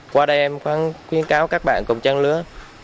qua đây em khuyến cáo các bạn công trang lứa